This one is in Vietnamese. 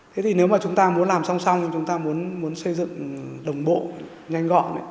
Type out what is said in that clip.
thế thì nếu mà chúng ta muốn làm song song thì chúng ta muốn xây dựng đồng bộ nhanh gọn